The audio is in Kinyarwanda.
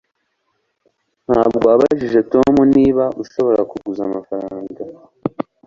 ntabwo wabajije tom niba ushobora kuguza amafaranga